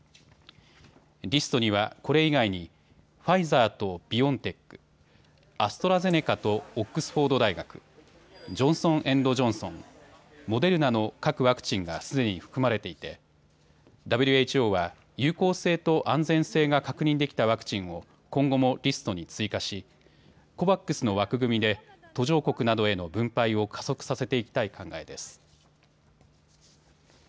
リストにはこれ以外にファイザーとビオンテック、アストラゼネカとオックスフォード大学、ジョンソン・エンド・ジョンソン、モデルナの各ワクチンがすでに含まれていてＷＨＯは有効性と安全性が確認できたワクチンを今後もリストに追加しＣＯＶＡＸの枠組みで途上国などへの分配を加速させていきたい考えです。